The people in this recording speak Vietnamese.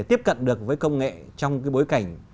tiếp cận được với công nghệ trong cái bối cảnh